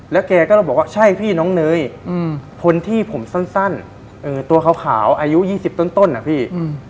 แกก็เลยบอกว่าใช่พี่น้องเนยคนที่ผมสั้นตัวขาวอายุ๒๐ต้นนะพี่